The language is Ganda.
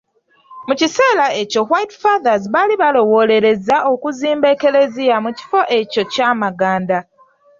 Mu kiseera ekyo White Fathers baali balowoolereza okuzimba eklezia mu kifo ekyo Kyamaganda.